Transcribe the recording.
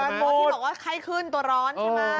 หมอที่บอกว่าไข้คลื่นตัวร้อนใช่ไหม